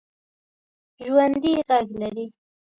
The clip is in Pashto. ژوندي غږ لري